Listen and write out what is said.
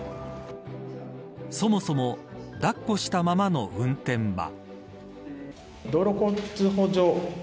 そもそも抱っこしたままの運転は。